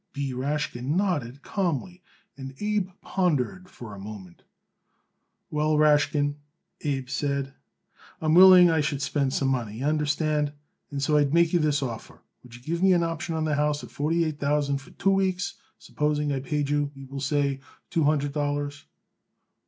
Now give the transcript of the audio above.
B. Rashkin nodded calmly and Abe pondered for a moment. "Well, Rashkin," Abe said, "I am willing I should spend some money, y'understand, and so I would make you this offer: Would you give me an option on the house at forty eight thousand for two weeks, supposing I paid you, we will say, two hundred dollars?"